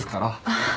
あっ。